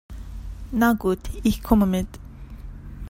Na gut, ich komme mit.